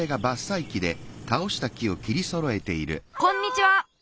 こんにちは！